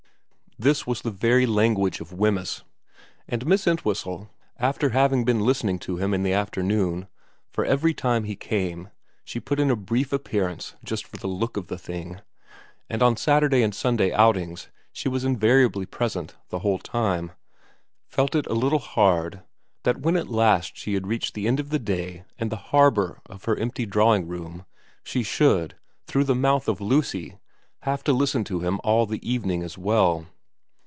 This was the very language of Wemyss ; and Miss Entwhistle, after having been listening to him in the afternoon for every time he came she put in a brief appearance just for the look of the thing, and on the Saturday and Sunday outings she was invariably present the whole time felt it a little hard that when at last she had reached the end of the day and the harbour of her empty drawing room she should, through the mouth of Lucy, have to listen to him all the evening as well.